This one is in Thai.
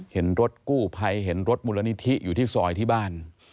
เห็นรถกู้ภัยเห็นรถมูลนิธิอยู่ที่ซอยที่บ้าน